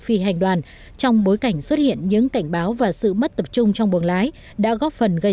boeing trong bối cảnh xuất hiện những cảnh báo và sự mất tập trung trong buồng lái đã góp phần gây